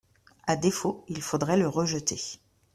À défaut, il faudrait le rejeter.